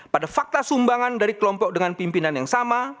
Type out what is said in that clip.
pada fakta sumbangan dari kelompok dengan pimpinan yang sama